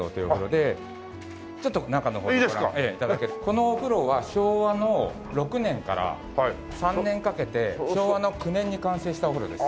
このお風呂は昭和の６年から３年かけて昭和の９年に完成したお風呂です。